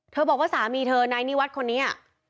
บอกว่าสามีเธอนายนิวัฒน์คนนี้